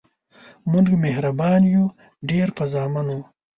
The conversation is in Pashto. مونږ مهربان یو ډیر په زامنو